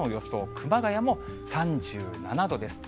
熊谷も３７度です。